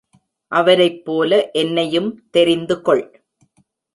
அவரைப் போல என்னையும் தெரிந்து கொள்.